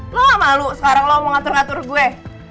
lo gak malu sekarang lo mau ngatur ngatur gue